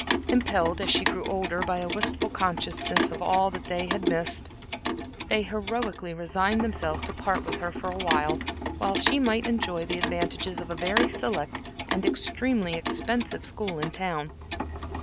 Impelled, as she grew older, by a wistful consciousness of all that they had missed, they heroically resigned themselves to part with her for a while that she might enjoy the advantages of a very select and extremely expensive school in town.